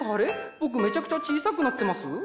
僕めちゃくちゃ小さくなってます？